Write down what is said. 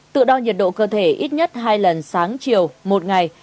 tự đo nhiệt độ cơ thể ít nhất hai lần sáng chiều một ngày